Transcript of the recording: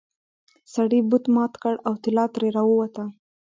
سړي بت مات کړ او طلا ترې راووته.